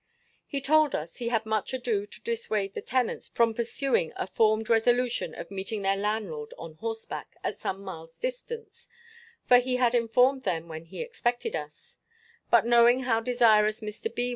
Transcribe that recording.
He told us, he had much ado to dissuade the tenants from pursuing a formed resolution of meeting their landlord on horseback, at some miles distance; for he had informed them when he expected us; but knowing how desirous Mr. B.